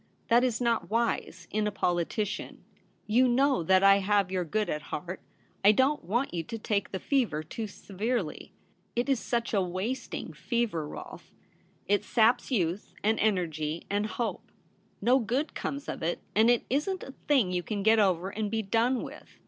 That is not wise — in a politician. You know that I have your good at heart. I don't want you to take the fever too severely. It is such a wasting fever, Rolfe ; it saps youth and energy and hope ; no good comes of it, and it isn't a thing you can get over and be done with.